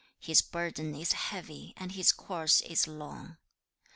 His burden is heavy and his course is long.